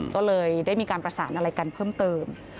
ก็เลยได้มีการประสานอะไรกันเพิ่มเติม